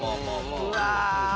うわ！